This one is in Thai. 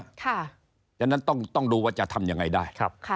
เพราะฉะนั้นต้องดูว่าจะทำยังไงได้